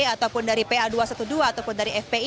ataupun dari pa dua ratus dua belas ataupun dari fpi